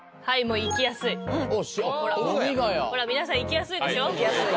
もう行きやすい富ヶ谷ほら皆さん行きやすいでしょ